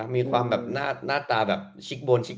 มีความหน้าตาแบบชิคโบนหน่อย